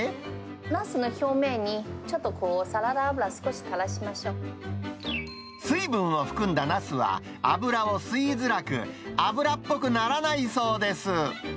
ナスの表面に、ちょっとサラダ油、水分を含んだナスは、油を吸いづらく、油っぽくならないそうです。